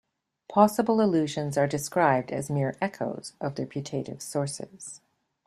Possible allusions are described as mere echoes of their putative sources.